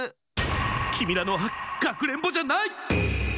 きみらのはかくれんぼじゃない！